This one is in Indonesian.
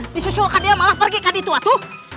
disusul ke dia malah pergi ke di tuatu